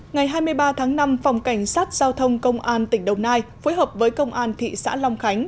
ngày hai mươi ba tháng năm phòng cảnh sát giao thông công an tỉnh đồng nai phối hợp với công an thị xã long khánh